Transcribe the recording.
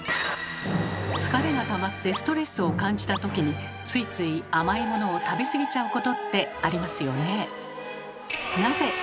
疲れがたまってストレスを感じたときについつい甘いものを食べ過ぎちゃうことってありますよね。